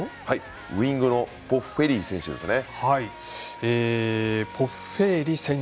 ウイングのボッフェーリ選手ですね。